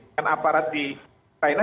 dan aparat di china